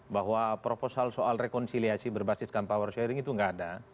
bahwa proposal soal rekonsiliasi berbasiskan power sharing itu nggak ada